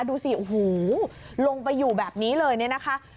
ดูสิโอ้โหลงไปอยู่แบบนี้เลยเนี่ยนะคะ